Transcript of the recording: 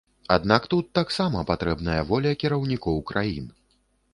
Аднак тут таксама патрэбная воля кіраўнікоў краін.